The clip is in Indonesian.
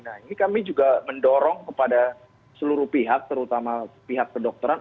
nah ini kami juga mendorong kepada seluruh pihak terutama pihak kedokteran